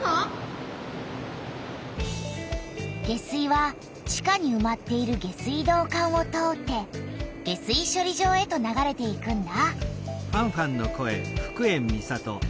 下水は地下にうまっている下水道管を通って下水しょり場へと流れていくんだ。